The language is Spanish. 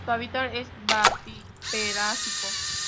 Su hábitat es batipelágico.